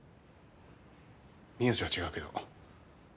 名字は違うけど。